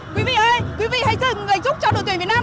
quý vị ơi quý vị hãy dừng lệnh chúc cho đội tuyển việt nam đi ạ